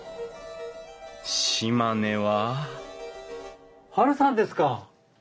島根はハルさんですか！？